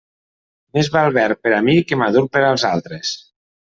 Més val verd per a mi que madur per als altres.